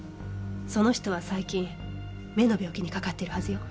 その人は最近目の病気にかかっているはずよ。